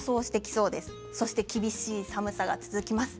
そして厳しい寒さが続きます。